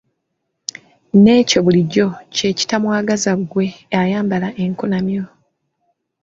N'ekyo bulijjo kye kitamwagaza ggwe ayambala enkunamyo.